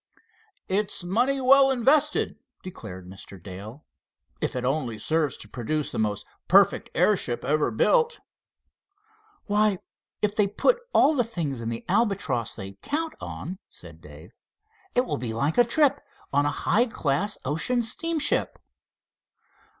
"It's money well invested," declared Mr. Dale, "if it only serves to produce the most perfect airship ever built." "Why, if they put all the things in the Albatross they count on," said Dave, "it will be like a trip on a high class ocean steamship!"